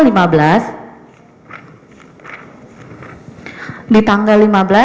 di tanggal lima belas